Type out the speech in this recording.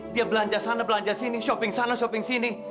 dia belanja sana belanja sini shopping sana shopping sini